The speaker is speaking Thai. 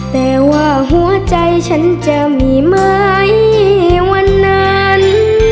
แต่ว่าหัวใจฉันจะมีไหมวันนั้น